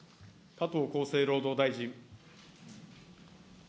加藤厚生労働大臣。